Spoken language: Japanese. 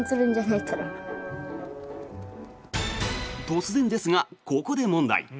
突然ですが、ここで問題。